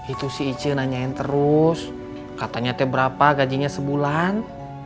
itu si icu nanyain terus katanya berapa gajinya sebulan